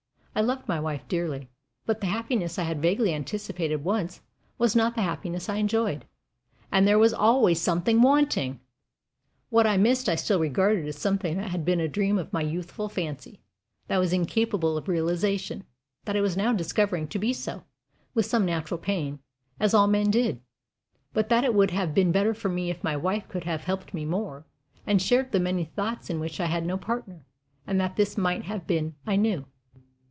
I loved my wife dearly; but the happiness I had vaguely anticipated, once, was not the happiness I enjoyed, AND THERE WAS ALWAYS SOMETHING WANTING. What I missed I still regarded as something that had been a dream of my youthful fancy; that was incapable of realization; that I was now discovering to be so, with some natural pain, as all men did. But that it would have been better for me if my wife could have helped me more, and shared the many thoughts in which I had no partner, and that this might have been I knew.